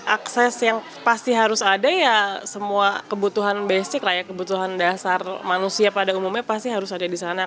akses yang pasti harus ada ya semua kebutuhan basic lah ya kebutuhan dasar manusia pada umumnya pasti harus ada di sana